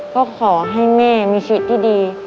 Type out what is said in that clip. ก็ขอให้แม่มีชีวิตที่ดี